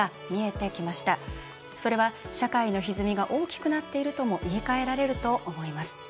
それは、社会のひずみが大きくなっているとも言いかえられると思います。